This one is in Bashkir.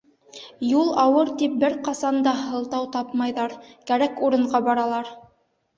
Юл ауыр тип бер ҡасан да һылтау тапмайҙар, кәрәк урынға баралар.